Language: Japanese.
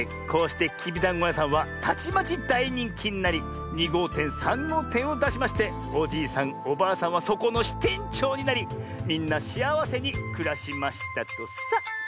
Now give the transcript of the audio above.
こうしてきびだんごやさんはたちまちだいにんきになり２ごうてん３ごうてんをだしましておじいさんおばあさんはそこのしてんちょうになりみんなしあわせにくらしましたとさ。